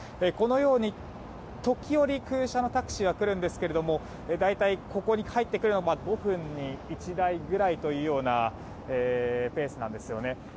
このように空車のタクシーは来るんですが大体ここに帰ってくるのは５分に１台くらいというようなペースなんですよね。